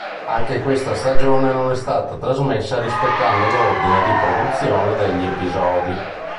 Anche questa stagione non è stata trasmessa rispettando l'ordine di produzione degli episodi.